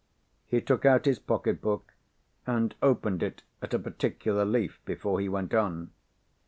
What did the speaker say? He took out his pocket book, and opened it at a particular leaf, before he went on.